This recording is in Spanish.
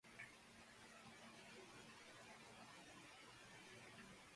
Está involucrado en el proyecto ""Flora of China"", describiendo la familia Urticaceae.